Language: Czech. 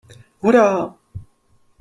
Hurá!